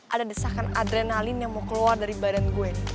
ada desakan adrenalin yang mau keluar dari badan gue